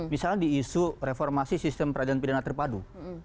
misalnya di isu reformasi sistem peradilan pidana terpadu